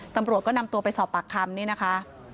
ตำรวจก็นำตัวไปสอบปากคำนี่นะคะ